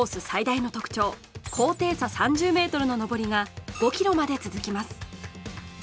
最大の特徴高低差３０ｍの上りが５ｋｍまで続きます。